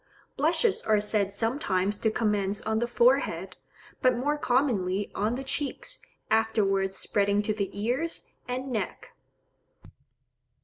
Blushes are said sometimes to commence on the forehead, but more commonly on the cheeks, afterwards spreading to the ears and neck.